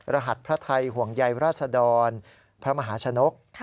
รหัสพระไทยห่วงใยราษดรพระมหาชนก